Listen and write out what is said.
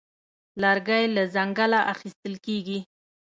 لرګی له ځنګله اخیستل کېږي.